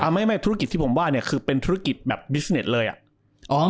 ไม่ธุรกิจที่ผมว่าเนี่ยคือเป็นธุรกิจแบบบิสเน็ตเลยอ่ะ